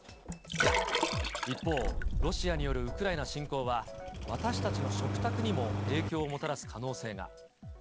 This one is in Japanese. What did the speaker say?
一方、ロシアによるウクライナ侵攻は、私たちの食卓にも影響をもたらす可能性が。